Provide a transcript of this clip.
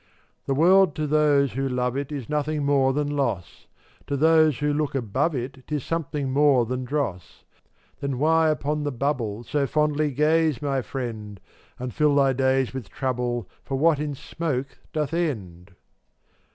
454 The world to those who love it Is nothing more than loss; To those who look above it 'Tis something more than dross. Then why upon the bubble So fondly gaze, my friend, And fill thy days with trouble For what in smoke doth end?